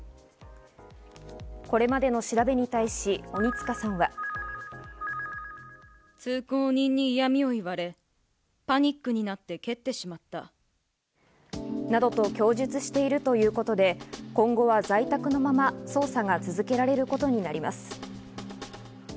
これまでの調べに対し、鬼束さんは。などと供述しているということで、今後は在宅のまま捜査が続けられることになります。